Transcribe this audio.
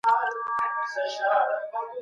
په هرات کې خلک د زعفرانو شله جوړوي.